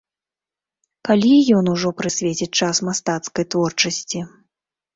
Калі ён ужо прысвеціць час мастацкай творчасці?